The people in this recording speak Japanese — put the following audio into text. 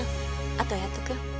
あとやっとくよ。